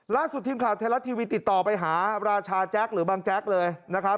ล่าสุดทีมข่าวไทยรัฐทีวีติดต่อไปหาราชาแจ๊คหรือบางแจ๊กเลยนะครับ